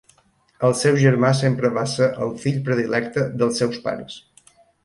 El seu germà sempre va ser el fill predilecte dels seus pares.